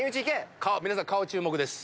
皆さん顔注目です。